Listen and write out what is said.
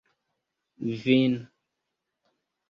vin